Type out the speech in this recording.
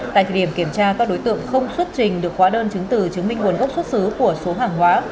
tại thời điểm kiểm tra các đối tượng không xuất trình được khóa đơn chứng từ chứng minh nguồn gốc xuất xứ của số hàng hóa